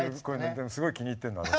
でもすごい気に入ってるの私。